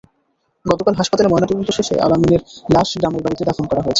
গতকাল হাসপাতালে ময়নাতদন্ত শেষে আল-আমিনের লাশ গ্রামের বাড়িতে দাফন করা হয়েছে।